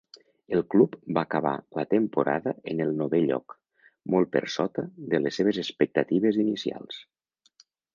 El club va acabar la temporada en el novè lloc, molt per sota de les seves expectatives inicials.